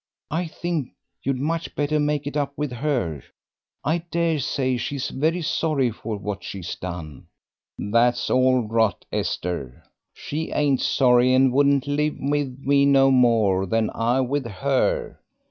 "I think you'd much better make it up with her. I daresay she's very sorry for what she's done." "That's all rot, Esther. She ain't sorry, and wouldn't live with me no more than I with her.